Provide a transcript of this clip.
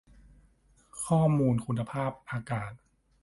ข้อมูลคุณภาพอากาศ